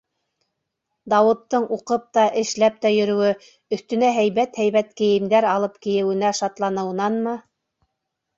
Дауыттың уҡып та, эшләп тә йөрөүе, өҫтөнә һәйбәт-һәйбәт кейемдәр алып кейеүенә шатла- ныуынанмы?